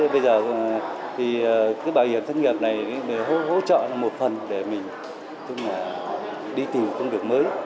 bây giờ bảo hiểm thất nghiệp này hỗ trợ một phần để mình đi tìm công việc mới